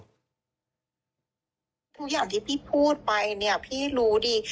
ทุกอย่างที่พี่พูดไปเนี่ยพี่รู้ดี